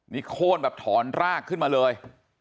นี่โค้นแบบถอนรากขึ้นมาเลย